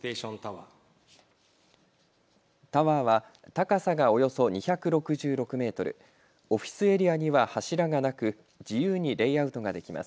タワーは高さがおよそ２６６メートル、オフィスエリアには柱がなく自由にレイアウトができます。